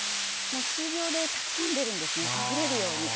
もう数秒でたくさん出るんですねあふれるように。